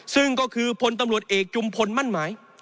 ซึ่งก็คือพลตำรวจเอกจุมพลมั่นหมาย